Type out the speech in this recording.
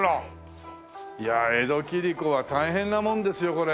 いや江戸切子は大変なもんですよこれ。